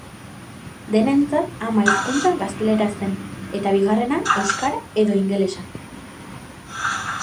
Denentzat ama hizkuntza gaztelera zen, eta bigarrena euskara edo inglesa.